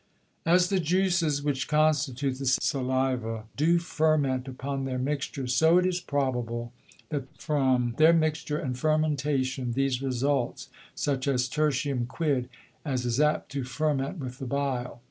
As the Juices, which constitute the Saliva, do ferment upon their mixture, so it is probable, that from their Mixture and Fermentation there results such a Tertium quid, as is apt to ferment with the Bile.